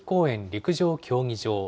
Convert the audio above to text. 陸上競技場。